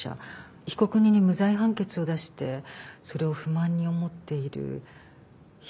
被告人に無罪判決を出してそれを不満に思っている被害者その関係者。